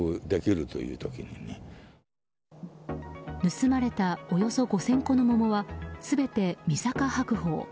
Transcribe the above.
盗まれたおよそ５０００個の桃は全てみさか白鳳。